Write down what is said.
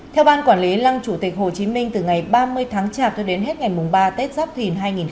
theo ban quản lý lăng chủ tịch hồ chí minh từ ngày ba mươi tháng chạp tới đến hết ngày ba tết giáp thùy hai nghìn hai mươi bốn